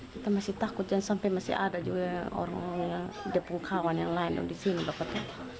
kita masih takut dan sampai masih ada juga orang yang depuk kawan yang lain di sini bapak